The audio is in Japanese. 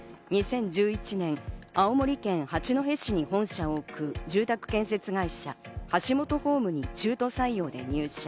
２０１１年、青森県八戸市に本社を置く住宅建設会社ハシモトホームに中途採用で入社。